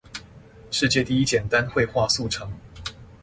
世界第一簡單會話速成